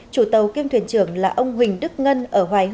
chủ tàu kiêm thuyền trưởng là ông huỳnh đức ngân ở hoài